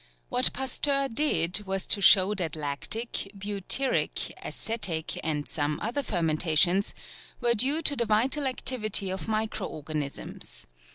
What Pasteur did was to show that lactic, butyric, acetic, and some other fermentations, were due to the vital activity of micro organisms.